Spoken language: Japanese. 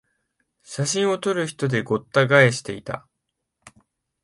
写真を撮る人でごった返していた